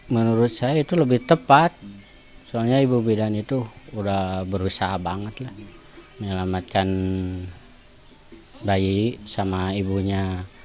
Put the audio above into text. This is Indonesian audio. menurut saya itu lebih tepat soalnya ibu bidan itu udah berusaha banget lah menyelamatkan bayi sama ibunya